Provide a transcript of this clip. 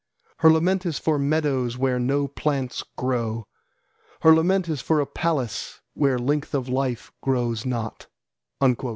Her lament is for meadows, where no plants grow. Her lament is for a palace, where length of life grows not."